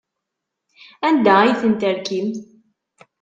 Anda ay ten-terkim?